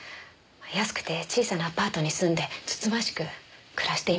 安くて小さなアパートに住んでつつましく暮らしていました。